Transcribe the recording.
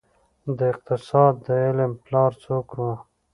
د اقتصاد د علم پلار څوک وه؟